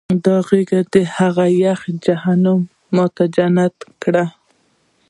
دې غېږې هغه د یخ جهنم ما ته جنت کړ